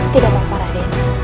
tidak apa apa raden